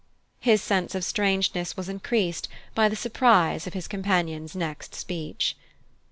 His sense of strangeness was increased by the surprise of his companion's next speech.